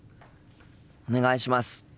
お願いします。